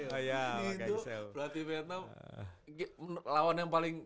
berarti vietnam lawannya paling